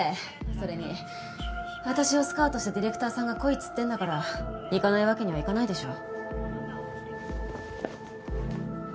それに私をスカウトしたディレクターさんが来いっつってんだから行かないわけにはいかないでしょ。